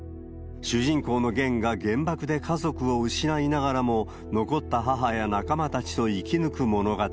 主人公のゲンが原爆で家族を失いながらも、残った母や仲間たちと生き抜く物語。